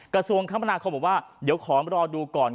กระทรวงคมนาคมบอกว่าเดี๋ยวขอรอดูก่อน